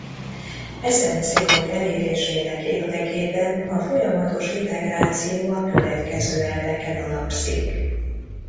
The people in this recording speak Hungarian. Ezen célok elérésének érdekében a folyamatos integráció a következő elveken alapszik.